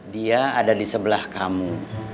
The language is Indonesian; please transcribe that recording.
dia ada di sebelah kamu